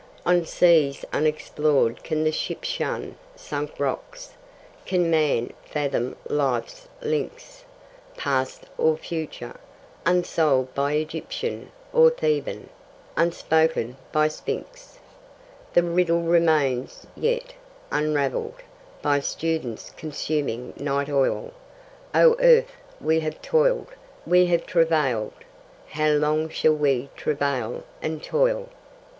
On seas unexplored can the ship shun Sunk rocks? Can man fathom life's links, Past or future, unsolved by Egyptian Or Theban, unspoken by Sphynx? The riddle remains yet, unravell'd By students consuming night oil. O earth! we have toil'd, we have travailed: How long shall we travail and toil?